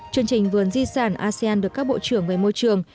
chương trình vườn di sản asean được các bộ trưởng về môi trường